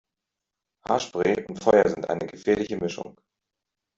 Haarspray und Feuer sind eine gefährliche Mischung